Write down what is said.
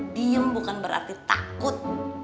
diem bukan berarti takut